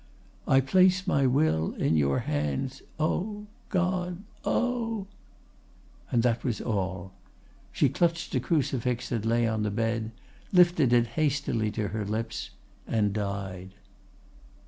"I place my will in your hands—Oh! God! Oh!" and that was all. She clutched a crucifix that lay on the bed, lifted it hastily to her lips, and died.